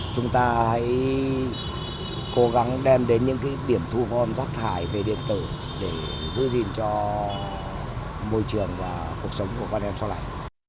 chúng ta hãy cố gắng đem đến những điểm thu gom rác thải về điện tử để giữ gìn cho môi trường và cuộc sống của con em sau này